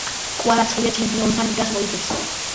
კვარაცხელია ჩემპიონთა ლიგას მოიგებს